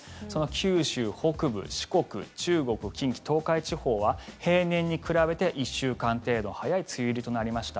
九州北部、四国、中国近畿、東海地方は平年に比べて１週間程度早い梅雨入りとなりました。